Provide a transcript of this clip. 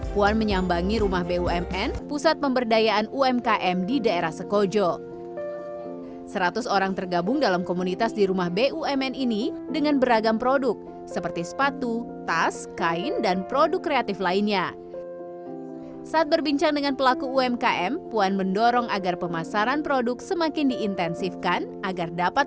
puan juga menyambangi rumah bumn yang beranggotakan seratus pelaku umkm palembang